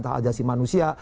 tak ajasi manusia